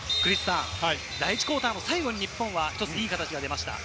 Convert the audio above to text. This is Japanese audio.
第１クオーターの最後に日本はいい形が出ました。